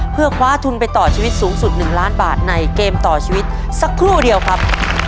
เพื่อคว้าทุนไปต่อชีวิตสูงสุด๑ล้านบาทในเกมต่อชีวิตสักครู่เดียวครับ